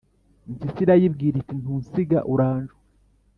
impyisi irayibwira iti ntunsiga, uranjwa!»